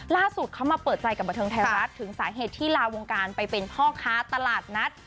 ล่าสุดเขามาเปิดใจกับบันเทิงไทยรัฐถึงสาเหตุที่ลาวงการไปเป็นพ่อค้าตลาดนัด